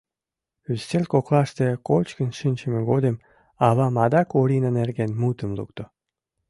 Ӱстел коклаште кочкын шинчыме годым авам адак Орина нерген мутым лукто.